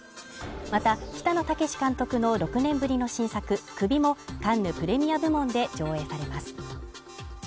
また、北野武監督の６年ぶりの新作「首」もカンヌ・プレミア部門で上映されます。